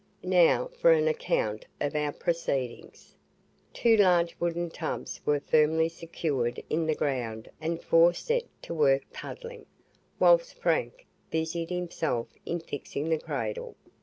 Now for an account of our proceedings. Two large wooden tubs were firmly secured in the ground and four set to work puddling, whilst Frank busied himself in fixing the cradle.